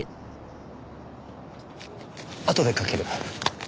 あとでかける。